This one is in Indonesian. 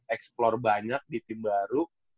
eksplor banyak di tim baru